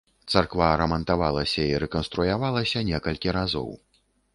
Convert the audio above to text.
Царква рамантавалася і рэканструявалася некалькі разоў.